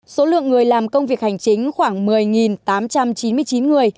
số lượng người làm công việc hành chính khoảng một mươi tám trăm chín mươi chín người